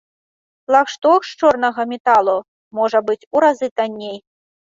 Флагшток з чорнага металу можа быць у разы танней!